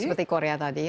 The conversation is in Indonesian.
seperti korea tadi